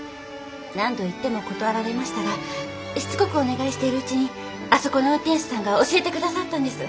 何度行っても断られましたがしつこくお願いしているうちにあそこの運転手さんが教えて下さったんです。